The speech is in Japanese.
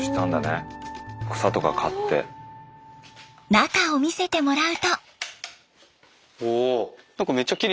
中を見せてもらうと。